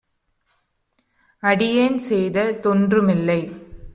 அடியேன்செய்த தொன்றுமில்லை.